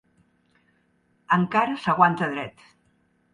Encara s'aguanta dret.